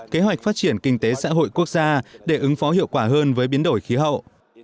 kế hoạch phát triển kinh tế xã hội quốc gia để ứng phó hiệu quả hơn với biến đổi khí hậu